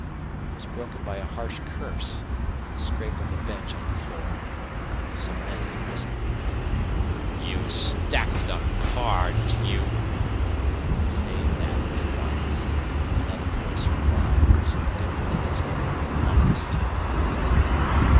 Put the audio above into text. It was broken by a harsh curse and the scrape of a bench on the floor. Some man had risen. "You stacked the cards, you !" "Say that twice," another voice replied, so different in its cool, ominous tone from the other.